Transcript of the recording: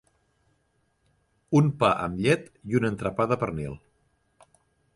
Un pa amb llet i un entrepà de pernil.